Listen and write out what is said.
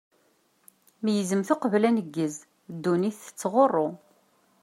Meyyzemt uqbel aneggez, ddunit tettɣuṛṛu!